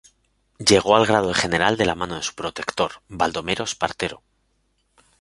Llegó al grado de general de la mano de su protector, Baldomero Espartero.